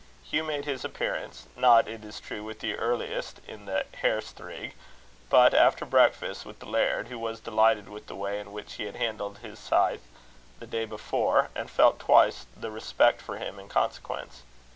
Hugh made his appearance not, it is true, with the earliest in the hairst rig, but after breakfast with the laird, who was delighted with the way in which he had handled his scythe the day before, and felt twice the respect for him in consequence.